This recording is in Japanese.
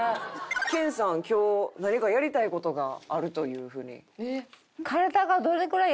研さん今日何かやりたい事があるというふうに。